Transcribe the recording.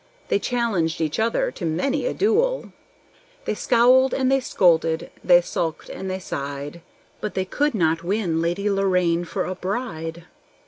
They challenged each other to many a duel; They scowled and they scolded, they sulked and they sighed, But they could not win Lady Lorraine for a bride.